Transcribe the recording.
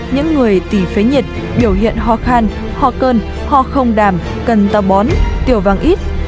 những người tỉ phế nhiệt biểu hiện hò khan hò cơn hò không đàm cần tàu bón tiểu vang ít